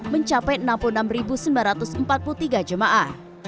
mencapai enam puluh enam sembilan ratus empat puluh tiga jemaah